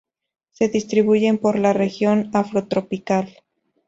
Se distribuyen por la región afrotropical.